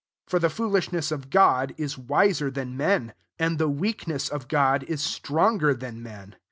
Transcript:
15 For the foolishness of God I wiser than men ; and the Weakness of God is stronger ban men.